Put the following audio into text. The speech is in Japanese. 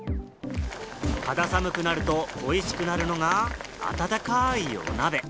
肌寒くなると恋しくなるのが温かいお鍋。